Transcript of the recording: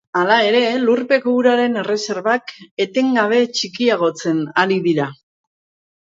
Hala ere, lurpeko uraren erreserbak etengabe txikiagotzen ari dira.